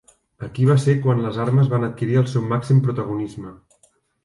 Aquí va ser quan les armes van adquirir el seu màxim protagonisme.